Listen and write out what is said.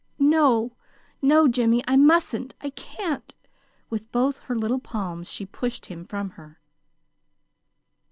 "No, no, Jimmy, I mustn't! I can't!" With both her little palms she pushed him from her.